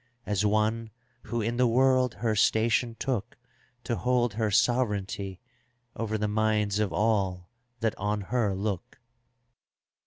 As one who in the world her station took To hold her sovereignty Over the minds of all that on her look.